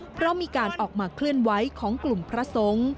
เพราะมีการออกมาเคลื่อนไหวของกลุ่มพระสงฆ์